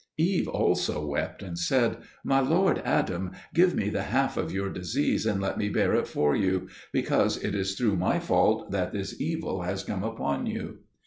Eve also wept and said, "My lord Adam, give me the half of your disease, and let me bear it for you; because it is through my fault that this evil has come upon you."